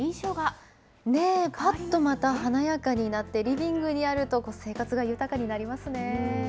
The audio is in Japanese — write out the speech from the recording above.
ぱっと、また華やかになって、リビングにあると生活が豊かになりますね。